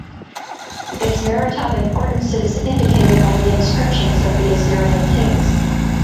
Its maritime importance is indicated by the inscriptions of the Assyrian kings.